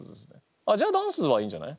あっじゃあダンスはいいんじゃない？